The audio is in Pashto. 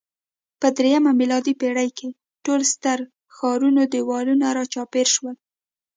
په درېیمه میلادي پېړۍ کې ټول ستر ښارونه دېوالونو راچاپېر شول